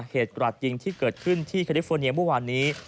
เหตุกรรดจริงที่เกิดขึ้นที่แคลิฟโฟเนียเมื่อวานนี้